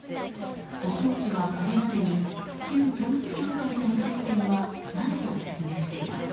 後藤氏はこれまでに旧統一教会との接点はないと説明しています。